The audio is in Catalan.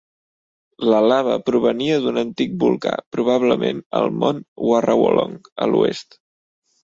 La lava provenia d'un antic volcà, probablement el mont Warrawolong a l'oest.